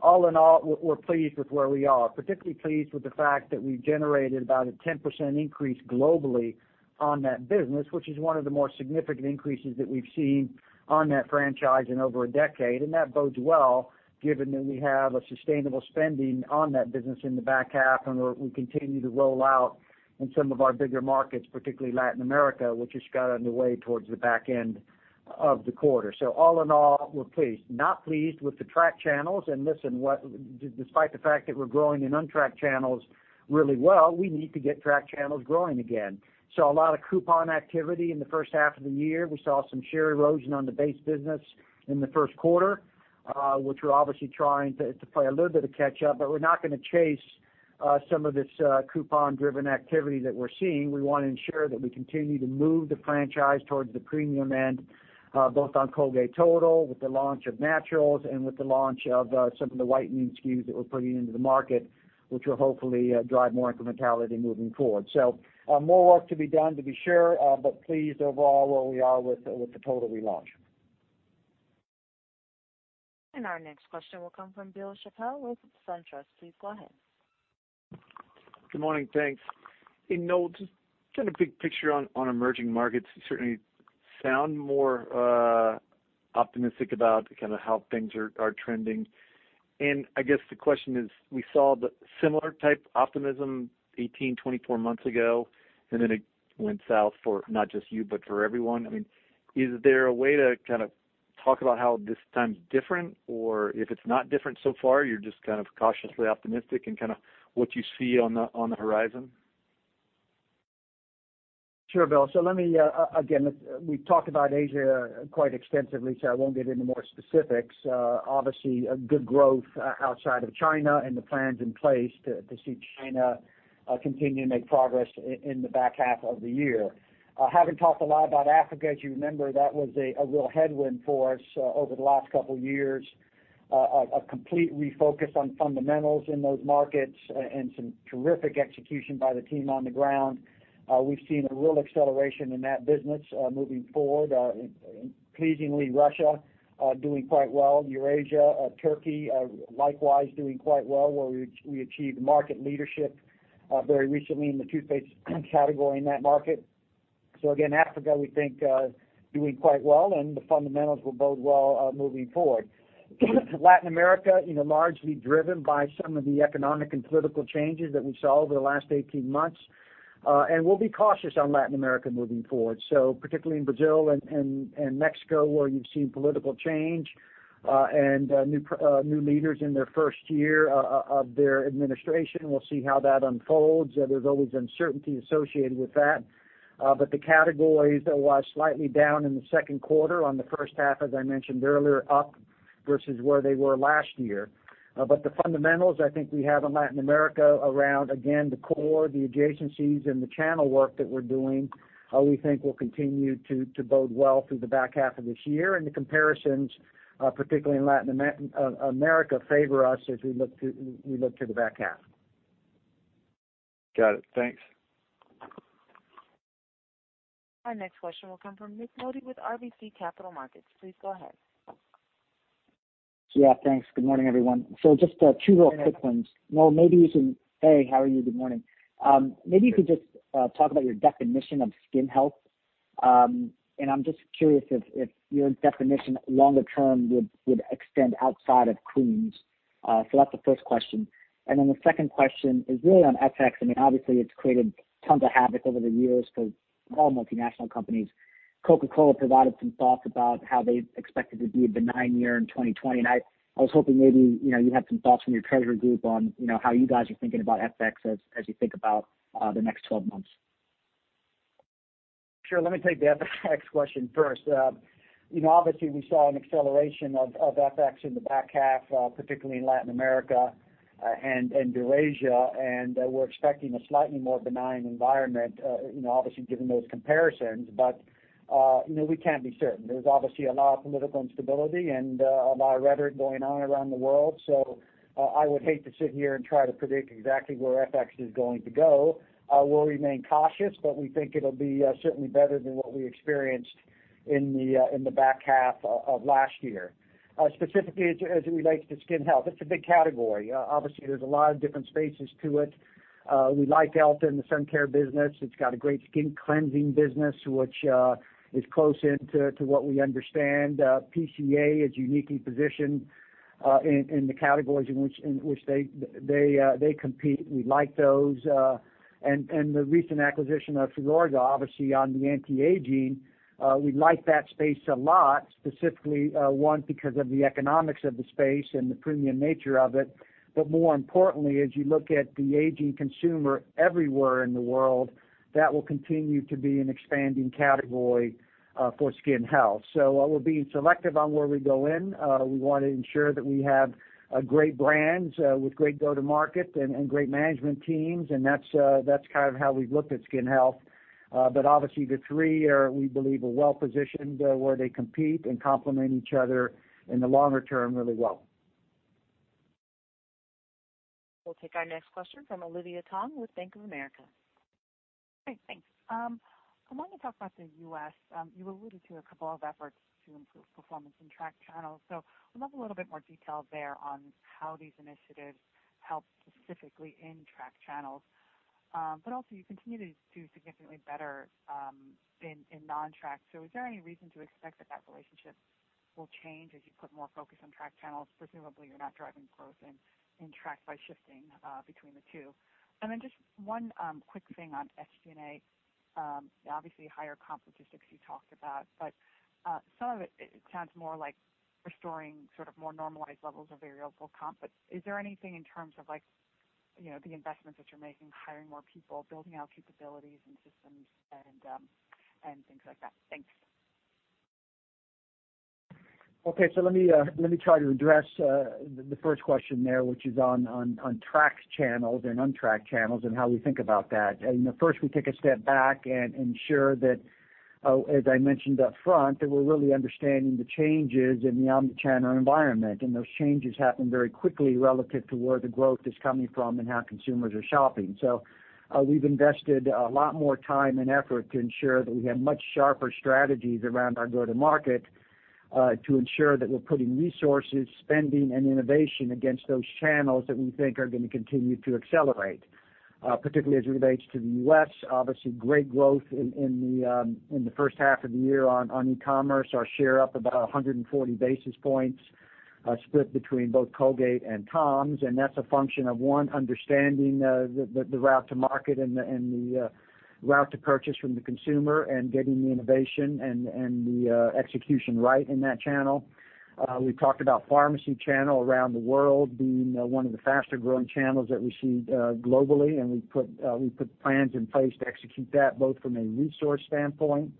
All in all, we're pleased with where we are. Particularly pleased with the fact that we've generated about a 10% increase globally on that business, which is one of the more significant increases that we've seen on that franchise in over a decade. That bodes well given that we have a sustainable spending on that business in the back half, and we continue to roll out in some of our bigger markets, particularly Latin America, which has got underway towards the back end of the quarter. All in all, we're pleased. Not pleased with the track channels. Listen, despite the fact that we're growing in untracked channels really well, we need to get tracked channels growing again. Saw a lot of coupon activity in the first half of the year. We saw some share erosion on the base business in the first quarter, which we're obviously trying to play a little bit of catch up, but we're not going to chase some of this coupon-driven activity that we're seeing. We want to ensure that we continue to move the franchise towards the premium end, both on Colgate Total with the launch of Naturals and with the launch of some of the whitening SKUs that we're putting into the market, which will hopefully drive more incrementality moving forward. More work to be done, to be sure, but pleased overall where we are with the Total relaunch. Our next question will come from Bill Chappell with SunTrust. Please go ahead. Good morning. Thanks. Hey, Noel, just kind of big picture on emerging markets. You certainly sound more optimistic about how things are trending. I guess the question is, we saw the similar type optimism 18, 24 months ago, and then it went south for not just you, but for everyone. Is there a way to talk about how this time is different? If it's not different so far, you're just cautiously optimistic in what you see on the horizon? Sure, Bill. Let me, again, we've talked about Asia quite extensively, I won't get into more specifics. Obviously, a good growth outside of China and the plans in place to see China continue to make progress in the back half of the year. Haven't talked a lot about Africa. As you remember, that was a real headwind for us over the last couple of years. A complete refocus on fundamentals in those markets and some terrific execution by the team on the ground. We've seen a real acceleration in that business moving forward. Pleasingly, Russia are doing quite well. Eurasia, Turkey, likewise doing quite well, where we achieved market leadership very recently in the toothpaste category in that market. Again, Africa, we think, doing quite well and the fundamentals will bode well moving forward. Latin America, largely driven by some of the economic and political changes that we saw over the last 18 months. We'll be cautious on Latin America moving forward. Particularly in Brazil and Mexico, where you've seen political change, and new leaders in their first year of their administration. We'll see how that unfolds. There's always uncertainty associated with that. The categories that were slightly down in the second quarter on the first half, as I mentioned earlier, are up versus where they were last year. The fundamentals I think we have in Latin America around, again, the core, the adjacencies, and the channel work that we're doing, we think will continue to bode well through the back half of this year. The comparisons, particularly in Latin America, favor us as we look to the back half. Got it. Thanks. Our next question will come from Nik Modi with RBC Capital Markets. Please go ahead. Yeah. Thanks. Good morning, everyone. Just two real quick ones. Well, Hey, how are you? Good morning. Maybe you could just talk about your definition of skin health. I'm just curious if your definition longer term would extend outside of creams. That's the first question. The second question is really on FX. I mean, obviously it's created tons of havoc over the years for all multinational companies. Coca-Cola provided some thoughts about how they expect it to be a benign year in 2020, and I was hoping maybe you have some thoughts from your treasury group on how you guys are thinking about FX as you think about the next 12 months. Sure. Let me take the FX question first. Obviously, we saw an acceleration of FX in the back half, particularly in Latin America and Eurasia, and we're expecting a slightly more benign environment, obviously given those comparisons. We can't be certain. There's obviously a lot of political instability and a lot of rhetoric going on around the world, so I would hate to sit here and try to predict exactly where FX is going to go. We'll remain cautious, but we think it'll be certainly better than what we experienced in the back half of last year. Specifically, as it relates to skin health, it's a big category. Obviously, there's a lot of different spaces to it. We like Elta in the sun care business. It's got a great skin cleansing business, which is close in to what we understand. PCA is uniquely positioned in the categories in which they compete. We like those. The recent acquisition of Filorga, obviously on the anti-aging, we like that space a lot, specifically, one, because of the economics of the space and the premium nature of it, but more importantly, as you look at the aging consumer everywhere in the world, that will continue to be an expanding category for skin health. We're being selective on where we go in. We want to ensure that we have great brands with great go-to-market and great management teams, and that's how we've looked at skin health. Obviously, the three are, we believe, well-positioned where they compete and complement each other in the longer term really well. We'll take our next question from Olivia Tong with Bank of America. Great. Thanks. I want to talk about the U.S. You alluded to a couple of efforts to improve performance in track channels. I'd love a little bit more detail there on how these initiatives help specifically in track channels. Also you continue to do significantly better in non-track. Is there any reason to expect that relationship will change as you put more focus on track channels? Presumably, you're not driving growth in track by shifting between the two. Just one quick thing on SG&A. Obviously, higher comp logistics you talked about, but some of it sounds more like restoring more normalized levels of variable comp. Is there anything in terms of the investments that you're making, hiring more people, building out capabilities and systems and things like that? Thanks. Let me try to address the first question there, which is on track channels and untracked channels and how we think about that. First, we take a step back and ensure that, as I mentioned up front, that we're really understanding the changes in the omni-channel environment, and those changes happen very quickly relative to where the growth is coming from and how consumers are shopping. We've invested a lot more time and effort to ensure that we have much sharper strategies around our go-to-market to ensure that we're putting resources, spending, and innovation against those channels that we think are going to continue to accelerate. Particularly as it relates to the U.S., obviously great growth in the first half of the year on e-commerce. Our share up about 140 basis points, split between both Colgate and Tom's. That's a function of, one, understanding the route to market and the route to purchase from the consumer, and getting the innovation and the execution right in that channel. We talked about pharmacy channel around the world being one of the faster-growing channels that we see globally, and we put plans in place to execute that, both from a resource standpoint.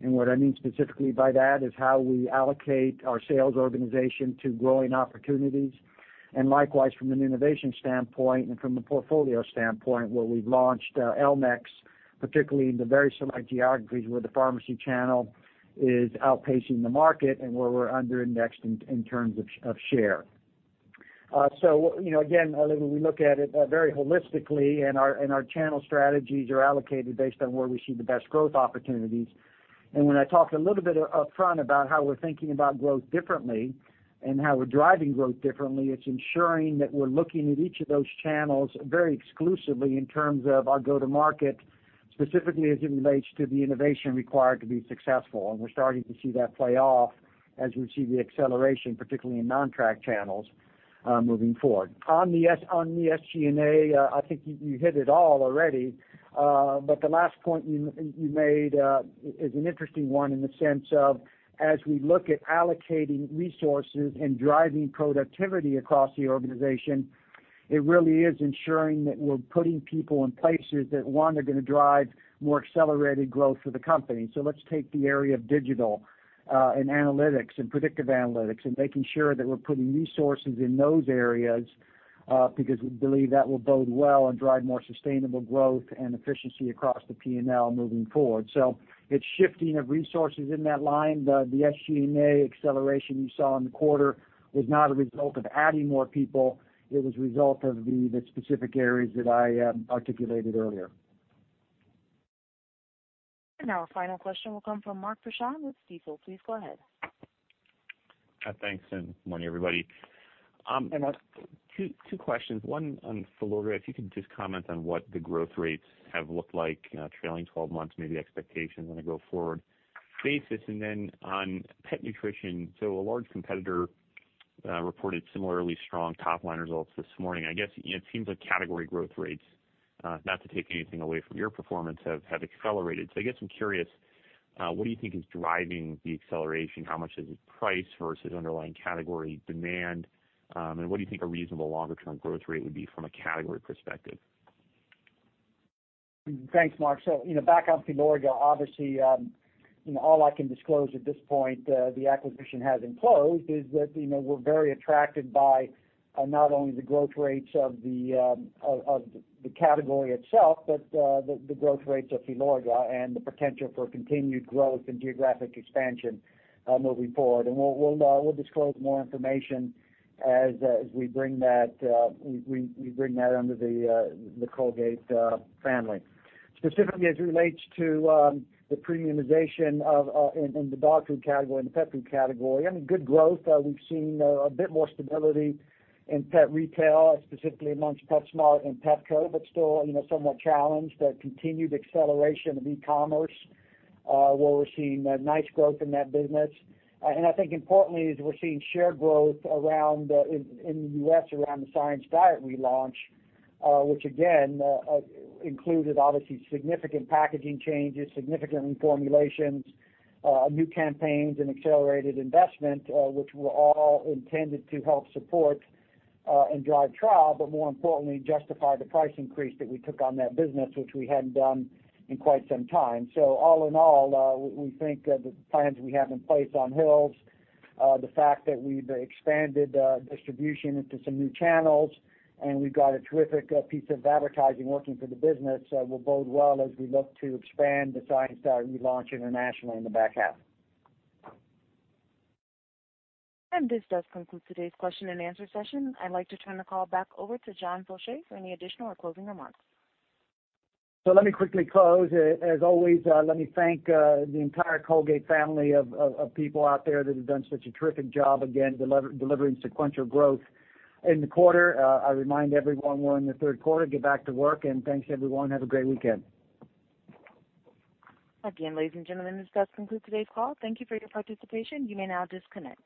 What I mean specifically by that is how we allocate our sales organization to growing opportunities. Likewise, from an innovation standpoint and from a portfolio standpoint, where we've launched elmex, particularly in the very select geographies where the pharmacy channel is outpacing the market and where we're under-indexed in terms of share. Again, Olivia, we look at it very holistically, and our channel strategies are allocated based on where we see the best growth opportunities. When I talked a little bit upfront about how we're thinking about growth differently and how we're driving growth differently, it's ensuring that we're looking at each of those channels very exclusively in terms of our go-to-market, specifically as it relates to the innovation required to be successful. We're starting to see that play off as we see the acceleration, particularly in non-track channels moving forward. On the SG&A, I think you hit it all already. The last point you made is an interesting one in the sense of, as we look at allocating resources and driving productivity across the organization, it really is ensuring that we're putting people in places that, one, are going to drive more accelerated growth for the company. Let's take the area of digital and analytics and predictive analytics, and making sure that we're putting resources in those areas, because we believe that will bode well and drive more sustainable growth and efficiency across the P&L moving forward. It's shifting of resources in that line. The SG&A acceleration you saw in the quarter was not a result of adding more people. It was a result of the specific areas that I articulated earlier. Now our final question will come from Mark Prichard with Stifel. Please go ahead. Thanks, and good morning, everybody. Two questions. One on Filorga. If you could just comment on what the growth rates have looked like trailing 12 months, maybe expectations on a go-forward basis. Then on pet nutrition, a large competitor reported similarly strong top-line results this morning. I guess it seems like category growth rates, not to take anything away from your performance, have accelerated. I guess I'm curious, what do you think is driving the acceleration? How much is it price versus underlying category demand? What do you think a reasonable longer-term growth rate would be from a category perspective? Thanks, Mark. Back on Filorga, obviously, all I can disclose at this point, the acquisition hasn't closed, is that we're very attracted by not only the growth rates of the category itself, but the growth rates of Filorga and the potential for continued growth and geographic expansion moving forward. We'll disclose more information as we bring that under the Colgate family. Specifically, as it relates to the premiumization in the dog food category and the pet food category, good growth. We've seen a bit more stability in pet retail, specifically amongst PetSmart and Petco, but still somewhat challenged. The continued acceleration of e-commerce, where we're seeing nice growth in that business. I think importantly is we're seeing share growth in the U.S. around the Science Diet relaunch, which again, included, obviously, significant packaging changes, significant reformulations, new campaigns and accelerated investment, which were all intended to help support and drive trial. More importantly, justify the price increase that we took on that business, which we hadn't done in quite some time. All in all, we think the plans we have in place on Hill's, the fact that we've expanded distribution into some new channels and we've got a terrific piece of advertising working for the business will bode well as we look to expand the Science Diet relaunch internationally in the back half. This does conclude today's question and answer session. I'd like to turn the call back over to John Faucher for any additional or closing remarks. Let me quickly close. As always, let me thank the entire Colgate family of people out there that have done such a terrific job, again, delivering sequential growth in the quarter. I remind everyone we're in the third quarter. Get back to work and thanks, everyone. Have a great weekend. Ladies and gentlemen, this does conclude today's call. Thank you for your participation. You may now disconnect.